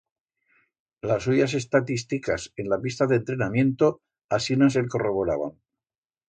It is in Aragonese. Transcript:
Las suyas estatisticas en la pista d'entrenamiento asinas el corroboraban.